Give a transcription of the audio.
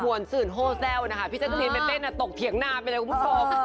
วนตื่นโฮแซ่วนะคะพี่แจ๊กรีนไปเต้นตกเถียงนาไปเลยคุณผู้ชม